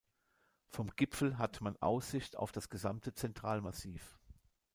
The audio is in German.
Vom Gipfel hat man Aussicht auf das gesamte Zentralmassiv.